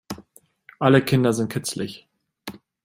Alle Kinder sind kitzelig.